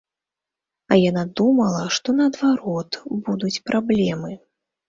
А яна думала, што, наадварот, будуць праблемы.